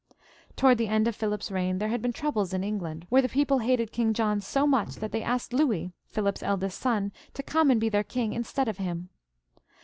Towards the end of Philip's reign there had been troubles in England, where the people hated King John so much that they asked Louis, Philip's eldest son, to come and be their king instead of him.